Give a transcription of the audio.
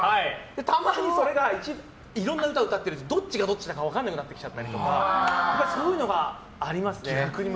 たまにそれがいろいろな歌、歌っているとどっちがどっちだか分かんなくなってきちゃったりそういうのがありますね。